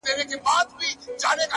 بيا وايم زه _ يو داسې بله هم سته _